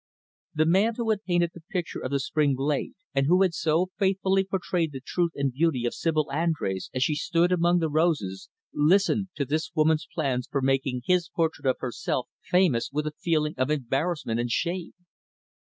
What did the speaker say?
The man who had painted the picture of the spring glade, and who had so faithfully portrayed the truth and beauty of Sibyl Andrés as she stood among the roses, listened to this woman's plans for making his portrait of herself famous, with a feeling of embarrassment and shame.